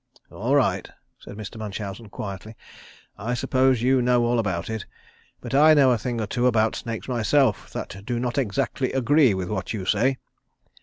"All right," said Mr. Munchausen, quietly. "I suppose you know all about it; but I know a thing or two about snakes myself that do not exactly agree with what you say.